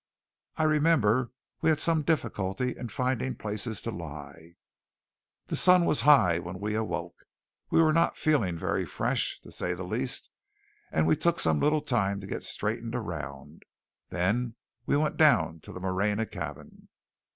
I remember we had some difficulty in finding places to lie. The sun was high when we awoke. We were not feeling very fresh, to say the least; and we took some little time to get straightened around. Then we went down to the Moreña cabin.